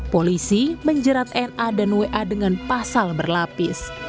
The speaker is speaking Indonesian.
polisi menjerat na dan wa dengan pasal berlapis